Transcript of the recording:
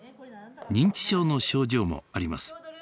認知症の症状もあります。